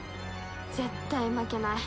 絶対負けない。